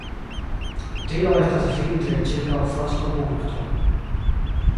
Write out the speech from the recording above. Tio estas vintre ĉirkaŭ frostopunkto.